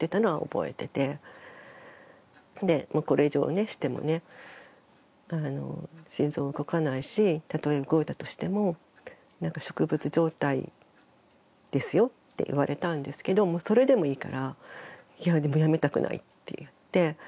でもうこれ以上してもね心臓動かないしたとえ動いたとしても植物状態ですよって言われたんですけどそれでもいいからいやでもやめたくないって言って。